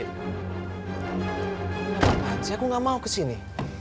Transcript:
kenapa kacau aku enggak mau ke sini